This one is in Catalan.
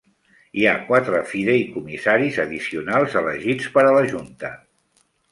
Hi ha quatre fideïcomissaris addicionals elegits per a la Junta.